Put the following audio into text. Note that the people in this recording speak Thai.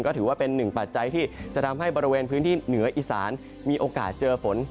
ก็ถือว่าเป็นหนึ่งปัจจัยที่จะทำให้บริเวณพื้นที่เหนืออีสานมีโอกาสเจอฝน